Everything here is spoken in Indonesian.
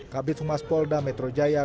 kabin sumas polda metro jaya